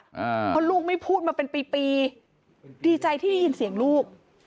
เพราะลูกไม่พูดมาเป็นปีปีดีใจที่ได้ยินเสียงลูก